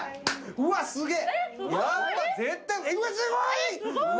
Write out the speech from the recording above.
うわすげぇ。